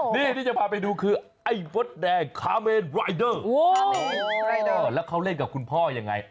นี่นี่นี่สุดยอดไอ้มดแดง